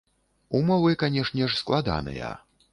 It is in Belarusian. Умовы, канешне ж, складаныя.